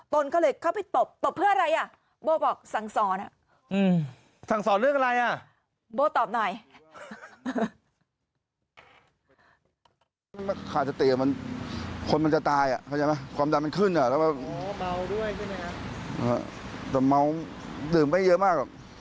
ไม่ได้ยินเดี๋ยวว่ารอพรอยู่ตรงนั้นพอดีก็เลยว่า